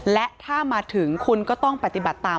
และถ้ามาถึงคุณก็ต้องปฏิบัติตาม